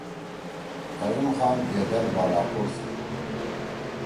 قیوم خان گیدر بالاکوٹ سی تُھو۔